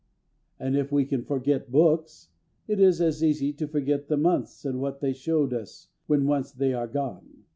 And, if we can forget books, it is as easy to forget the months and what they showed us, when once they are gone.